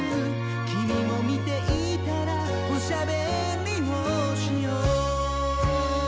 「君も見ていたらおしゃべりをしよう」